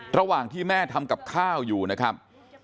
ระหว่างที่แม่ทำกับข้าวอยู่นะครับ